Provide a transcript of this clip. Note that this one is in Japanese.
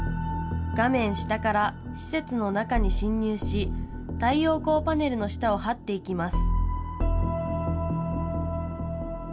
画面下から施設の中に侵入し太陽光パネルの下をはっていきます。